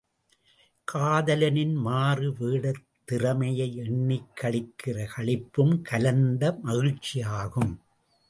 காதலனின் மாறு வேடத் திறமையை எண்ணிக்களிக்கிற களிப்பும் கலந்த மகிழ்ச்சியாகும்.